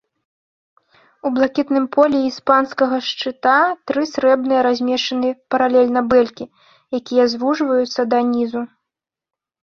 У блакітным полі іспанскага шчыта тры срэбныя размешчаны паралельна бэлькі, якія звужваюцца да нізу.